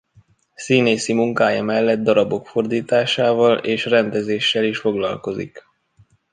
Színészi munkája mellett darabok fordításával és rendezéssel is foglalkozik.